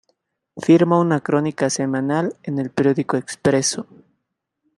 Firma una crónica semanal en el periódico Expresso.